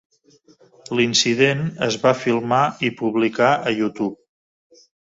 L'incident es va filmar i publicar a YouTube.